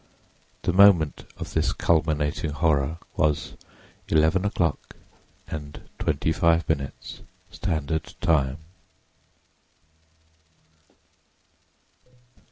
The moment of this culminating horror was eleven o'clock and twenty five minutes, standard time.